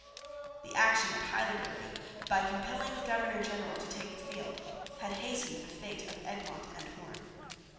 The action at Heiligerlee, by compelling the governor general to take the field, had hastened the fate of Egmont and Hoorn.